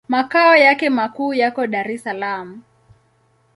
Makao yake makuu yako Dar es Salaam.